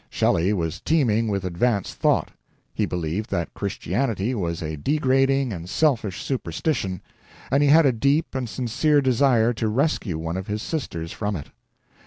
Shelley was teeming with advanced thought. He believed that Christianity was a degrading and selfish superstition, and he had a deep and sincere desire to rescue one of his sisters from it.